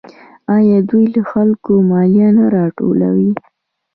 آیا دوی له خلکو مالیه نه راټولوي؟